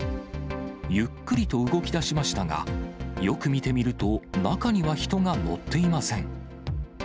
ゆっくりと動きだしましたが、よく見てみると、中には人が乗っていません。